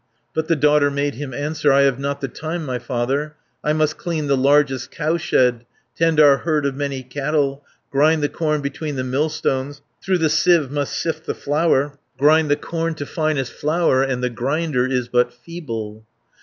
But the daughter made him answer: "I have not the time, my father, 490 I must clean the largest cowshed, Tend our herd of many cattle, Grind the corn between the millstones, Through the sieve must sift the flour, Grind the corn to finest flour, And the grinder is but feeble."